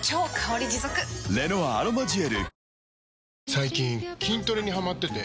最近筋トレにハマってて。